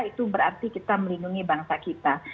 itu berarti kita melindungi bangsa kita